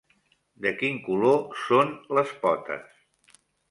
De quin color són les potes?